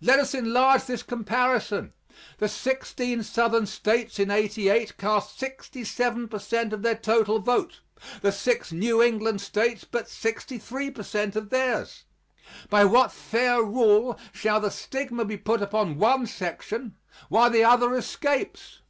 Let us enlarge this comparison. The sixteen Southern States in '88 cast sixty seven per cent of their total vote the six New England States but sixty three per cent of theirs. By what fair rule shall the stigma be put upon one section while the other escapes?